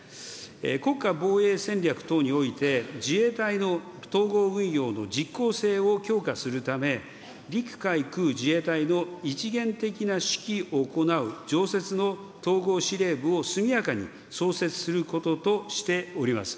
国家防衛戦略等において、自衛隊の統合運用の実効性を強化するため、陸海空自衛隊の一元的な指揮を行う常設の統合司令部を速やかに創設することとしております。